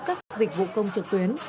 các dịch vụ công trực tuyến